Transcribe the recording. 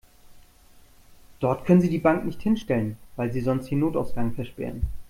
Dort können Sie die Bank nicht hinstellen, weil Sie sonst den Notausgang versperren.